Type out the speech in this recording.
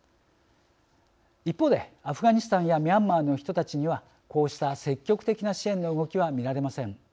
一方でアフガニスタンやミャンマーの人たちにはこうした積極的な支援の動きは見られません。